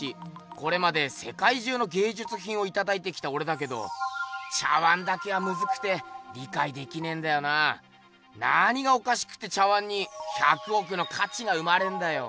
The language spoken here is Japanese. これまでせかい中のげいじゅつひんをいただいてきたおれだけど茶碗だけはムズくて理かいできねんだよなぁ。何がおかしくて茶碗に「１００億のかち」が生まれんだよ。